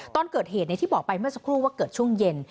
ตอนเกิดเหตุที่บอกไปเมื่อสักครู่ว่าเกิดช่วงเย็น